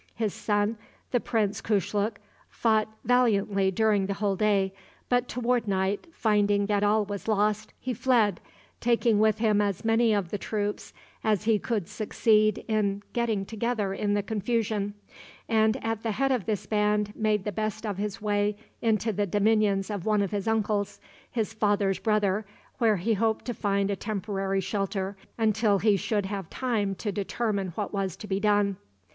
His son, the Prince Kushluk, fought valiantly during the whole day, but toward night, finding that all was lost, he fled, taking with him as many of the troops as he could succeed in getting together in the confusion, and at the head of this band made the best of his way into the dominions of one of his uncles, his father's brother, where he hoped to find a temporary shelter until he should have time to determine what was to be done.